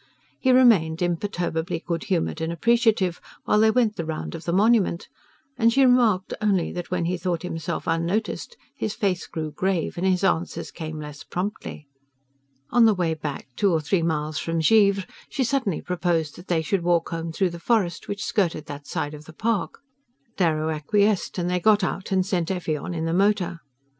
He remained imperturbably good humoured and appreciative while they went the round of the monument, and she remarked only that when he thought himself unnoticed his face grew grave and his answers came less promptly. On the way back, two or three miles from Givre, she suddenly proposed that they should walk home through the forest which skirted that side of the park. Darrow acquiesced, and they got out and sent Effie on in the motor.